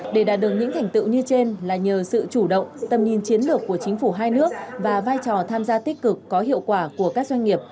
để đạt được những thành tựu như trên là nhờ sự chủ động tầm nhìn chiến lược của chính phủ hai nước và vai trò tham gia tích cực có hiệu quả của các doanh nghiệp